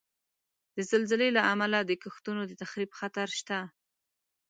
د زلزلې له امله د کښتونو د تخریب خطر شته.